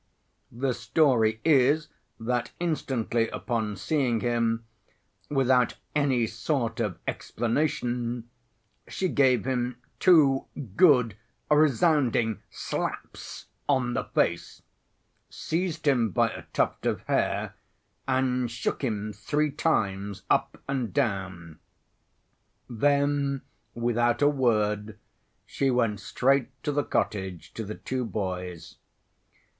The story is that instantly upon seeing him, without any sort of explanation, she gave him two good, resounding slaps on the face, seized him by a tuft of hair, and shook him three times up and down. Then, without a word, she went straight to the cottage to the two boys.